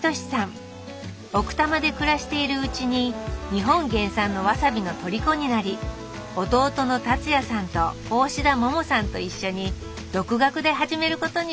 奥多摩で暮らしているうちに日本原産のわさびのとりこになり弟の竜也さんと大志田百さんと一緒に独学で始めることにしたんだって。